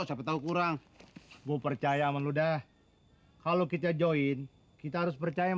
sampai tahu kurang gue percaya sama lu dah kalau kita join kita harus percaya